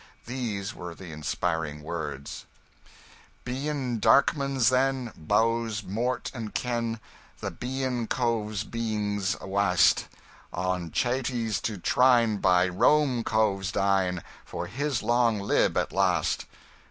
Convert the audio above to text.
These were the inspiring words: 'Bien Darkman's then, Bouse Mort and Ken, The bien Coves bings awast, On Chates to trine by Rome Coves dine For his long lib at last.